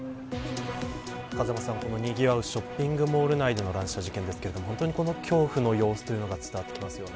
風間さん、にぎわうショッピングモール内での乱射事件ですが恐怖の様子が伝わってきますね。